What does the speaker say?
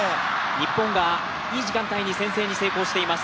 日本がいい時間帯に先制に成功しています